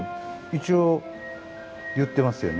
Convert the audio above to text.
一応言ってますよね。